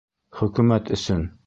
Хөкүмәт өсөн!